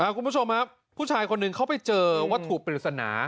คุณผู้ชมครับผู้ชายคนหนึ่งเขาไปเจอวัตถุปริศนา